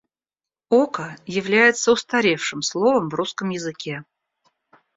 Око является устаревшим словом в русском языке.